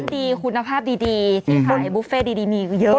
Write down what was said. ร้านดีคุณภาพดีบุฟเฟ่ดีมีเยอะ